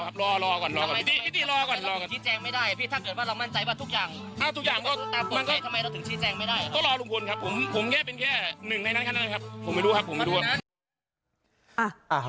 ผมไปดูครับผมไปดูครับ